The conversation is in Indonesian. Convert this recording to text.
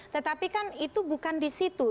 tetapi kan itu bukan di situ